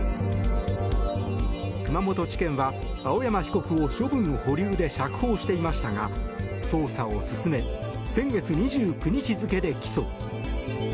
熊本地検は、青山被告を処分保留で釈放していましたが捜査を進め先月２９日付で起訴。